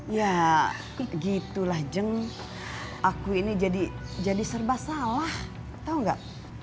ya gitu lah jeng aku ini jadi serba salah atau enggak